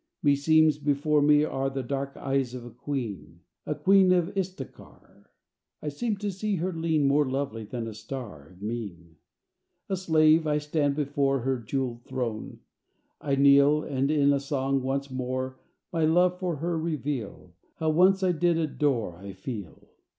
Meseems before me are The dark eyes of a queen, A queen of Istakhar: I seem to see her lean More lovely than a star Of mien. A slave, I stand before Her jeweled throne; I kneel, And, in a song, once more My love for her reveal; How once I did adore I feel.